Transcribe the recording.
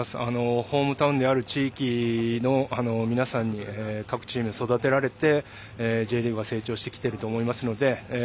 ホームタウンである地域の皆さんに各チーム、育てられてＪリーグは成長してきていると思いますので。